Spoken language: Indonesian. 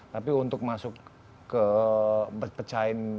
tapi untuk masuk ke pecahin